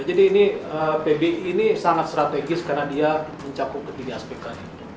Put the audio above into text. jadi ini pbi ini sangat strategis karena dia mencakup ke tiga aspek tadi